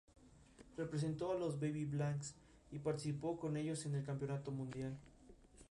El club lanzó la carrera del periodista "Gonzo" Hunter S. Thompson.